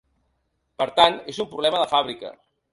Per tant, és un problema de fàbrica.